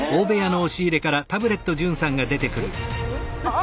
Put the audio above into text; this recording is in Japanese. あ！